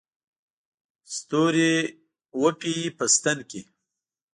ستوري وپېي په ستن کې